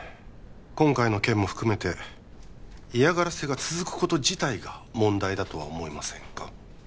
今回の件も含めて嫌がらせが続くこと自体が問題だとは思いませんか？